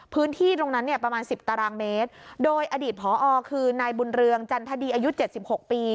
พื้นที่ตรงนั้นเนี่ยประมาณสิบตารางเมตรโดยอดีตพอคือนายบุญเรืองจันทดีอายุเจ็ดสิบหกปี